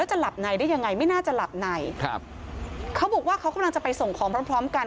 จะหลับในได้ยังไงไม่น่าจะหลับในครับเขาบอกว่าเขากำลังจะไปส่งของพร้อมพร้อมกัน